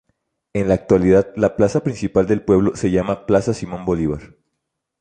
En la actualidad la plaza principal del pueblo se llama "Plaza Simón Bolívar".